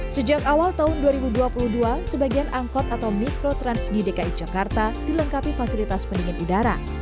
sejak awal tahun dua ribu dua puluh dua sebagian angkot atau mikrotransgi dki jakarta dilengkapi fasilitas pendingin udara